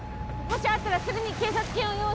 もしあったらすぐに警察犬を用意して。